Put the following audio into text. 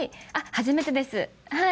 初めてですはい。